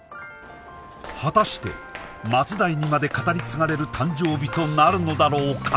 果たして末代にまで語り継がれる誕生日となるのだろうか？